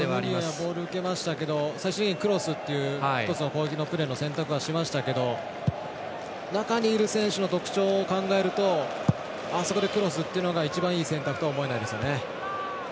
ボールを受けましたけど最終的にはクロスという、一つの攻撃のプレーの選択をしましたけど中にいる選手の特徴を考えるとあそこでクロスというのが一番いい選択とは思えないですよね。